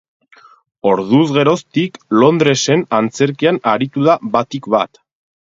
Orduz geroztik, Londresen antzerkian aritu da batik bat.